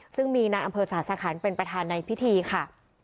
ซึ่งมีนายอำเภอศาสคันเป็นประธานในพิธีค่ะ